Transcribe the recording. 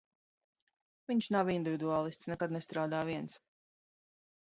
Viņš nav individuālists, nekad nestrādā viens.